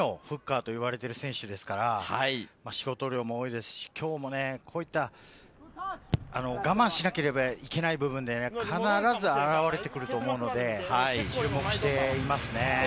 ジャッカルも強いですし、世界一のフッカーといわれている選手ですから、仕事量も多いですし、今日もこういった、我慢しなければいけない部分で、必ず表れてくるので、注目しています。